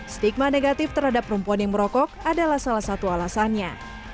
stigma negatif terhadap perempuan yang merokok adalah salah satu alasannya